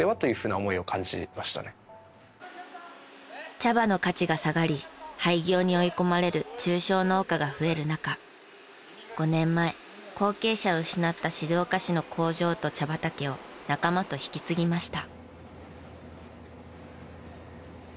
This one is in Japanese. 茶葉の価値が下がり廃業に追い込まれる中小農家が増える中５年前後継者を失った静岡市の工場と茶畑を仲間と引き継ぎました。